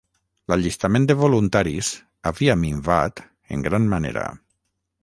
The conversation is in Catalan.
L'allistament de voluntaris havia minvat en gran manera